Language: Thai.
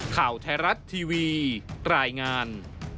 ข่าวไทยรัฐทีวีรายงาน